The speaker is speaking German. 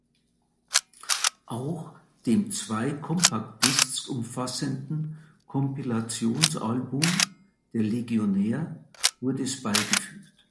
Auch dem zwei Compact Discs umfassenden Kompilationsalbum "Der Legionär" wurde es beigefügt.